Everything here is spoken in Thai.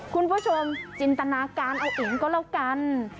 คุณผู้ชมจินตนาการเอาเองก็แล้วกัน